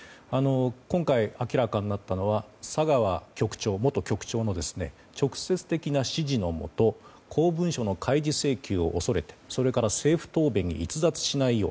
今回、明らかになったのは佐川元局長の直接的な指示のもと公文書の開示請求を恐れてそれから政府答弁に逸脱しないよう。